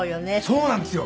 そうなんですよ。